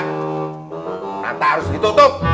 kunanta harus ditutup